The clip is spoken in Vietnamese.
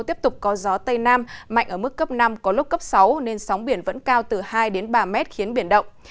tiếp tục có gió tây nam mạnh ở mức cấp năm có lúc cấp sáu nên sóng biển vẫn cao từ hai đến ba mét khiến biển động